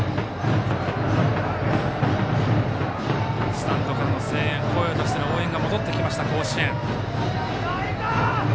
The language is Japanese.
スタンドからの声援声を出しての応援が戻ってきました、甲子園。